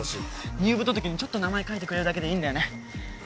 入部届にちょっと名前書いてくれるだけでいいんだよね。